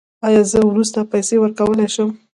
ایا زه وروسته پیسې ورکولی شم؟